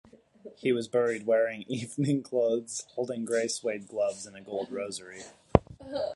He was buried wearing evening clothes, holding grey suede gloves and a gold rosary.